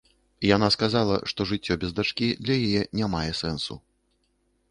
Яна сказала, што жыццё без дачкі для яе не мае сэнсу.